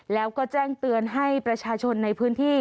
แล้วก็แจ้งเตือนให้ประชาชนในพื้นที่